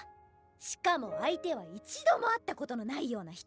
しかも相手は一度も会ったことのないような人！